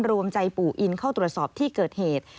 รวมใจปู่อินเข้าตรวจสอบที่เกิดเหตุ